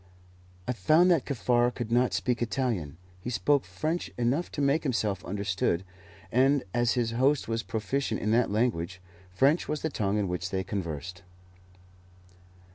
I found that Kaffar could not speak Italian. He spoke French enough to make himself understood, and, as his host was proficient in that language, French was the tongue in which they conversed.